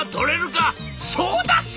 「そうだっす！